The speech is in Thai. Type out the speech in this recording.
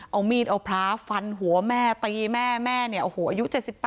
เอามีดเอาพระฟันหัวแม่ตีแม่แม่เนี่ยโอ้โหอายุ๗๘